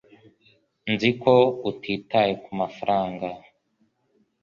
Nzi ko utitaye kumafaranga